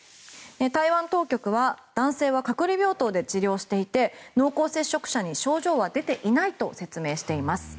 台湾当局は、男性は隔離病棟で治療していて濃厚接触者に症状は出ていないと説明しています。